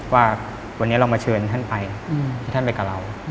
ว่าวันนี้เรามาเชิญท่านไปให้ท่านไปกับเรา